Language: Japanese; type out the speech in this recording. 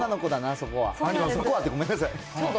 そこはってごめんなさい。